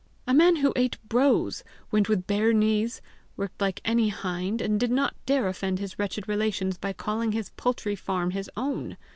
a man who ate brose, went with bare knees, worked like any hind, and did not dare offend his wretched relations by calling his paltry farm his own!